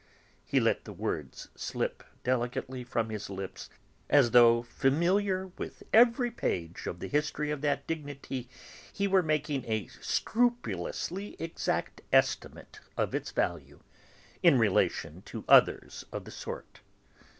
he let the words slip delicately from his lips, as though, familiar with every page of the history of that dignity, he were making a scrupulously exact estimate of its value, in relation to others of the sort.